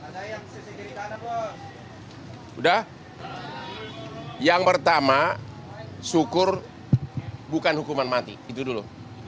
sudah yang pertama syukur bukan hukuman mati itu dulu